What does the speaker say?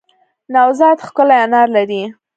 نوزاد ښکلی انار لری